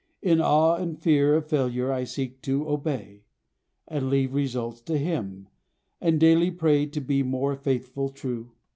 In awe And fear of failure, I seek to obey And leave results to Him, and daily pray To be more faithful, true.